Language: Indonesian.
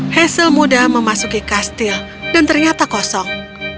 hazel mudah memasuki kastil dan ternyata kosong